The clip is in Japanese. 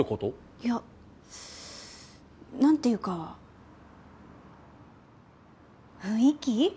いやなんて言うか雰囲気？